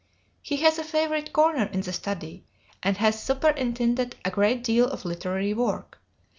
He has a favorite corner in the study and has superintended a great deal of literary work."